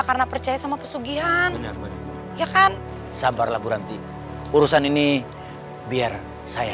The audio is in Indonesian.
karena percaya sama pesugihan ya kan sabarlah berhenti urusan ini biar saya